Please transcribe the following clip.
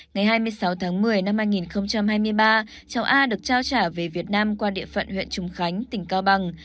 ngày hai mươi sáu tháng một mươi năm hai nghìn hai mươi ba cháu a được trao trả về việt nam qua địa phận huyện trùng khánh tỉnh cao bằng